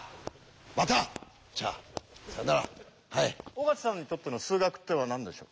尾形さんにとっての数学ってのは何でしょう？